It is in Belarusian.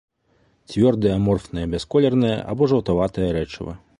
Цвёрдае аморфнае бясколернае або жаўтаватае рэчыва.